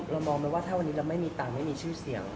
เรามองไว้ว่าถ้าเราไม่มีตังค์ไม่มีชื่อเสียง